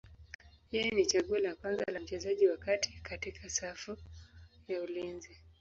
Yeye ni chaguo la kwanza la mchezaji wa kati katika safu ya ulinzi.